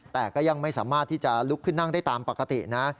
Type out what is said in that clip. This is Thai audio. แต่ก็ยังไม่สามารถที่จะลุกขึ้นนั่งได้ตามปกตินะ